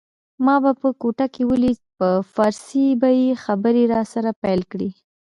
ما به په کوټه کي ولید په پارسي به یې خبري راسره پیل کړې